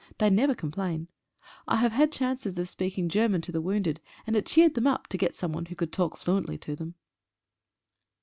They never complain. I have had chances of speaking Ger man to the wounded, and it cheered them up, to get someone who could talk fluently to them.